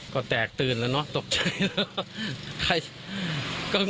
ก็แตกตื่นแล้วเนอะตกใจเนอะ